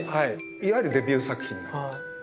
いわゆるデビュー作品になります。